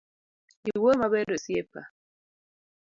Iwuoyo maber osiepa.